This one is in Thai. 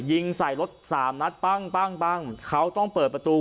ยิงใส่รถสามนัดปั้งปั้งปั้งเขาต้องเปิดประตู